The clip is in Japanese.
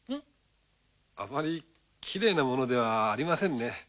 あまりきれいなものではありませんね。